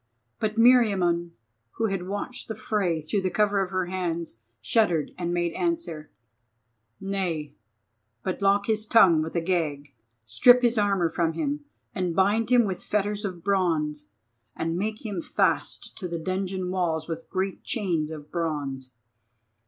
But Meriamun, who had watched the fray through cover of her hands, shuddered and made answer: "Nay, but lock his tongue with a gag, strip his armour from him, and bind him with fetters of bronze, and make him fast to the dungeon walls with great chains of bronze.